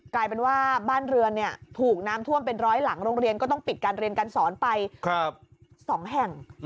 กลายเป็นว่าบ้านเรือนถูกน้ำท่วมเป็นร้อยหลังโรงเรียนก็ต้องปิดการเรียนการสอนไป๒แห่ง